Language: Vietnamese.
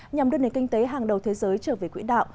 nhằm đưa nền kinh tế hàng đầu thế giới trở về quỹ đạo